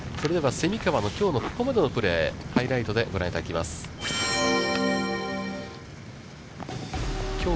蝉川のきょうのここまでのプレーをハイライトでご覧いただきます。